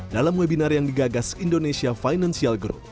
dalam webinar yang digagas indonesia financial group